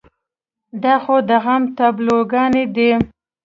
دا خو د غم تابلوګانې دي.